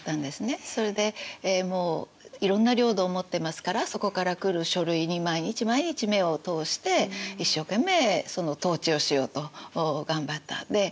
それでもういろんな領土を持ってますからそこから来る書類に毎日毎日目を通して一生懸命統治をしようと頑張った。